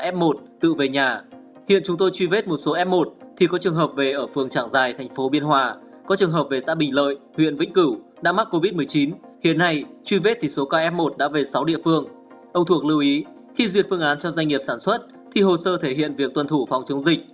khi duyệt phương án cho doanh nghiệp sản xuất thì hồ sơ thể hiện việc tuân thủ phòng chống dịch